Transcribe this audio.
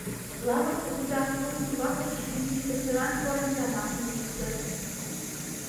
Лазыр кугыза плуг ӱмбакыже шинче, веселан койын тамакым лукто.